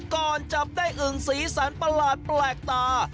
จับได้อึ่งสีสันประหลาดแปลกตา